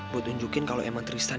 buat nunjukin kalau emang tristan